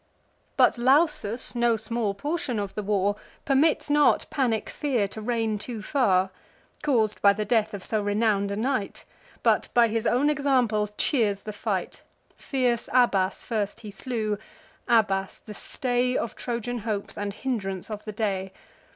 But Lausus, no small portion of the war, Permits not panic fear to reign too far, Caus'd by the death of so renown'd a knight; But by his own example cheers the fight. Fierce Abas first he slew; Abas, the stay Of Trojan hopes, and hindrance of the day.